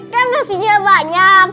kan nasinya banyak